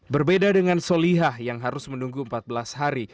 berbeda dengan solihah yang harus menunggu empat belas hari